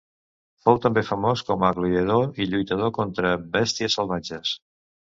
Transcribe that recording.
Fou també famós com a gladiador i lluitador contra bèsties salvatges.